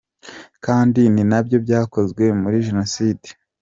Kandi ni nabyo byakozwe muri Jenoside.